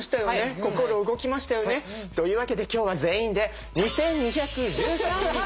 心動きましたよね。というわけで今日は全員で２２１３ハート！